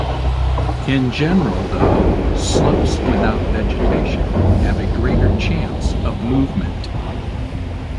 In general, though, slopes without vegetation have a greater chance of movement.